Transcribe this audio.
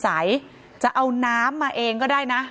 ให้คนอื่นดื่มก่อนก็ได้นะ